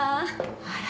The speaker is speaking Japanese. あら？